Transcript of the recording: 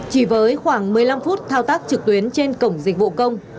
chỉ với khoảng một mươi năm phút thao tác trực tuyến trên cổng dịch vụ công